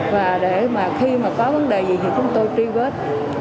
và để mà khi mà có vấn đề gì thì chúng tôi truy vết